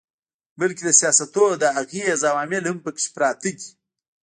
بلکي د سياستونو د اغېز عوامل هم پکښې پراته دي